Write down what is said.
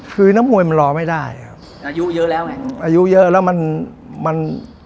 คือนักมวยมันรอไม่ได้ครับอายุเยอะแล้วไงอายุเยอะแล้วมันมัน